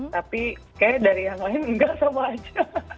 tapi kayaknya dari yang lain enggak sama aja